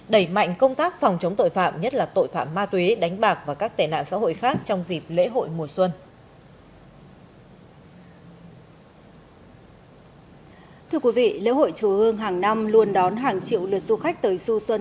đẩy mạnh công tác phòng chống tội phạm nhất là tội phạm ma túy đánh bạc và các tệ nạn xã hội khác trong dịp lễ hội mùa xuân